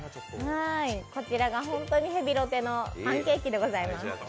こちらが本当にヘビロテのパンケーキでございます。